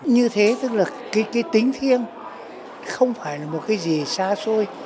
như thế tức là cái tính thiêng không phải là một cái gì xa xôi